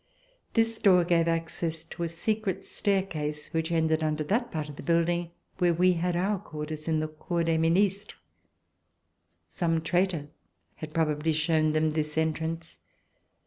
This door gave access to a secret staircase which ended under that part of the building where we had our quarters in the Cour des Ministres. Some traitor had probably shown them this entrance.